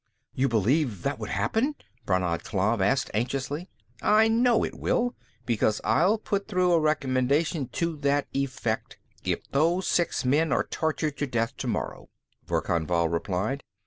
"You believe that would happen?" Brannad Klav asked anxiously. "I know it will, because I'll put through a recommendation to that effect, if those six men are tortured to death tomorrow," Verkan Vall replied.